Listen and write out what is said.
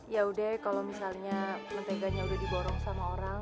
yaudah kalau misalnya menteganya udah diborong sama orang